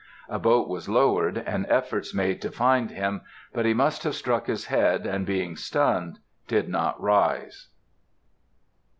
A boat was lowered, and efforts made to find him, but he must have struck his head, and, being stunned, did not rise.